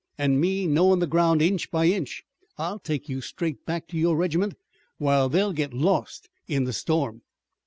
An' me knowin' the ground inch by inch I'll take you straight back to your regiment while they'll get lost in the storm."